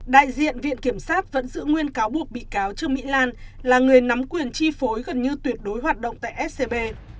đại diện viện kiểm sát vẫn giữ nguyên cáo buộc bị cáo trương mỹ lan là người nắm quyền chi phối gần như tuyệt đối hoạt động tại scb